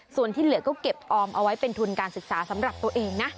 ส่วนที่เหลือก็เก็บออมเอาไว้เป็นทุนการศึกษาสำหรับตัวเองนะ